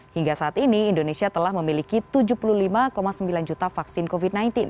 hingga saat ini indonesia telah memiliki tujuh puluh lima sembilan juta vaksin covid sembilan belas